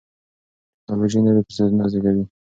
ټیکنالوژي نوي فرصتونه زیږوي.